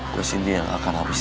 gue sendiri yang akan habisin